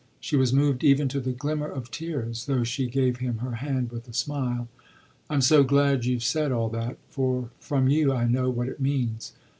She was moved even to the glimmer of tears, though she gave him her hand with a smile. "I'm so glad you've said all that, for from you I know what it means.